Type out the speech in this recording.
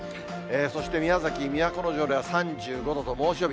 そして、宮崎・都城では３５度と猛暑日。